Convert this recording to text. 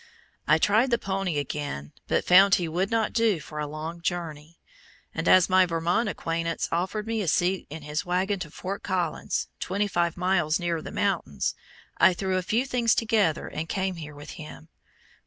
I tried the pony again, but found he would not do for a long journey; and as my Vermont acquaintance offered me a seat in his wagon to Fort Collins, twenty five miles nearer the Mountains, I threw a few things together and came here with him.